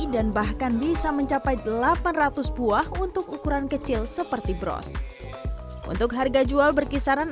dan bahkan bisa mencapai delapan ratus buah untuk ukuran kecil seperti bros untuk harga jual berkisaran